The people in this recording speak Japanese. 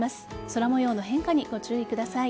空模様の変化にご注意ください。